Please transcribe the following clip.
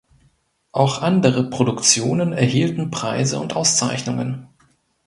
Auch andere Produktionen erhielten Preise und Auszeichnungen.